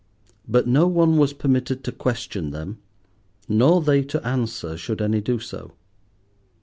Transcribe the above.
But no one was permitted to question them, nor they to answer should any do so.